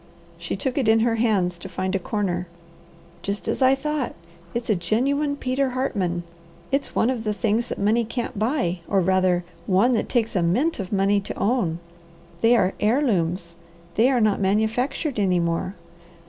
She took it in her hands to find a corner. "Just as I thought! It's a genuine Peter Hartman! It's one of the things that money can't buy, or, rather, one that takes a mint of money to own. They are heirlooms. They are not manufactured any more.